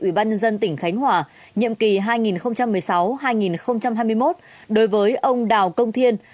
ủy ban nhân dân tỉnh khánh hòa nhiệm kỳ hai nghìn một mươi sáu hai nghìn hai mươi một đối với ông đào công thiên